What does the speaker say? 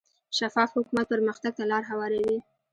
شفاف حکومت پرمختګ ته لار هواروي.